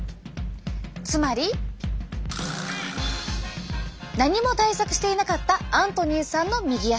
つまり！何も対策していなかったアントニーさんの右足。